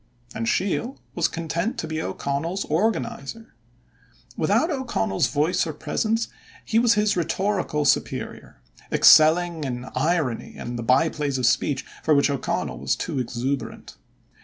And Sheil was content to be O'Connell's organizer. Without O'Connell's voice or presence, he was his rhetorical superior, excelling in irony and the by plays of speech for which O'Connell was too exuberant.